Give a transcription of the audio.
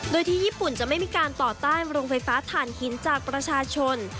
โดยที่ญี่ปุ่นจะไม่มีการต่อต้านโรงไฟฟ้าถ่านหินจากประชาชน